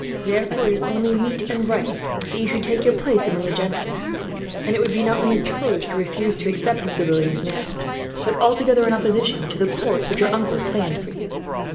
Therefore it is only meet and right that you should take your place among the gentry; and it would be not only churlish to refuse to accept their civilities now, but altogether in opposition to the course which your uncle planned for you."